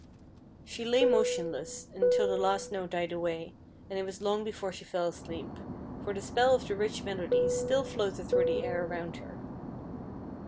She lay motionless until the last note died away, and it was long before she fell asleep, for the spell of the rich melodies still floated through the air around her.